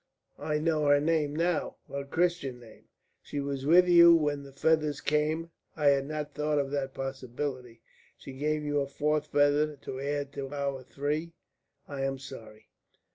I know her name now her Christian name. She was with you when the feathers came. I had not thought of that possibility. She gave you a fourth feather to add to our three. I am sorry."